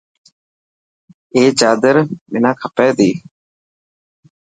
اي چادر منا کپي تي.